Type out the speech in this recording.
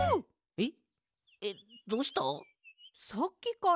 えっ。